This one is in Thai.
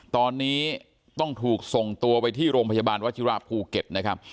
ตอนนี้ต้องถูกส่งตัวไปที่โรงพยาบาลวัชิระภูเก็ตนะครับ